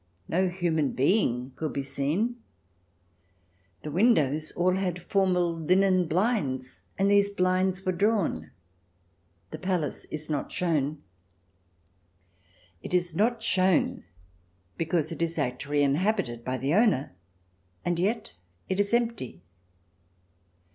No human being could be seen. The windows all had formal linen 16 242 THE DESIRABLE ALIEN [ch. xvii blinds, and these blinds were drawn. The palace is not shown. It is not shown because it is actually inhabited by the owner, and yet it is empty.